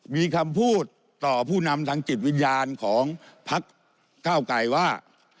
มีคำพูดต่อผู้นำทางจิตวิญญาณของพักเก้าไก่ว่า